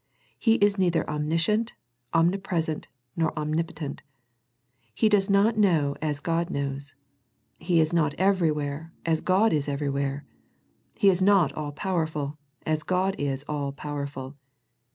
He is neither omniscient, omnipres ent, nor omnipotent. He does not know as God knows. He is not everywhere as God is everywhere. He is not all powerful as God is all powerful.